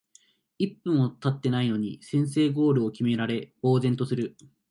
一分もたってないのに先制ゴールを決められ呆然とする